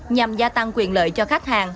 nhằm gia tăng quyền lợi cho khách hàng